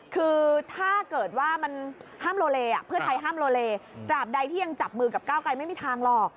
เพื่อไทยห้ามโลเลกราบใดที่ยังจับมือกับกล้าวไก่ไม่มีทางหรอก